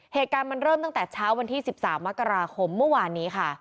เหตุการณ์มันเริ่มตั้งแต่เช้าวันที่๑๓มกราคมเมื่อวานนี้ค่ะ